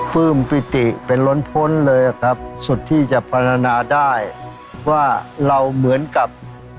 ปลื้มปิติเป็นล้นพ้นเลยครับสุดที่จะปรณาได้ว่าเราเหมือนกับ